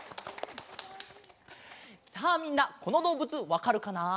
さあみんなこのどうぶつわかるかな？